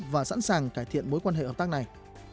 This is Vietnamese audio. và sẵn sàng cải thiện mối quan hệ hợp tác này